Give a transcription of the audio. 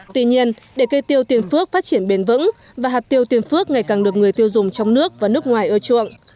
tuy nhiên để cây tiêu tiền phước phát triển bền vững và hạt tiêu tiền phước ngày càng được người tiêu dùng trong nước và nước ngoài ưa chuộng